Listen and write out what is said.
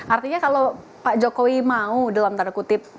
artinya kalau pak jokowi mau dalam tanda kutip